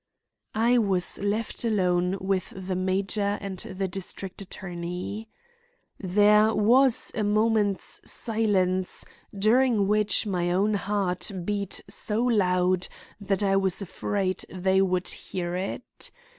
I was left alone with the major and the district attorney. There was a moment's silence, during which my own heart beat so loud that I was afraid they would hear it.